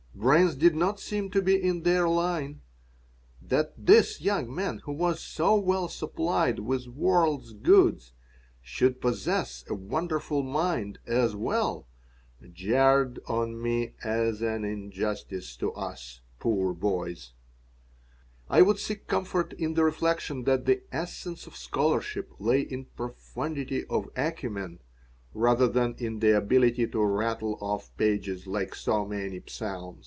Brains did not seem to be in their line. That this young man, who was so well supplied with this world's goods, should possess a wonderful mind as well jarred on me as an injustice to us poor boys I would seek comfort in the reflection that "the essence of scholarship lay in profundity and acumen rather than in the ability to rattle off pages like so many psalms."